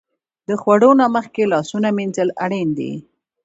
د خوړو نه مخکې لاسونه مینځل اړین دي.